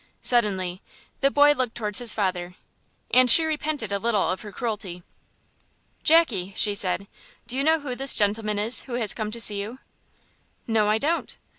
Suddenly the boy looked towards his father, and she repented a little of her cruelty. "Jackie," she said, "do you know who this gentleman is who has come to see you?" "No, I don't."